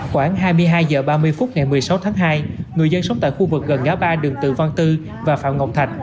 khoảng hai mươi hai h ba mươi phút ngày một mươi sáu tháng hai người dân sống tại khu vực gần ngã ba đường từ văn tư và phạm ngọc thạch